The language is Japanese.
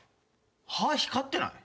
歯光ってない？